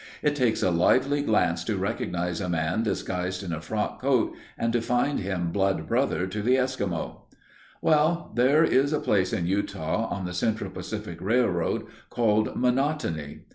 It takes a lively glance to recognize a man disguised in a frock coat, and to find him blood brother to the Esquimau! Well, there is a place in Utah on the Central Pacific Railroad called Monotony.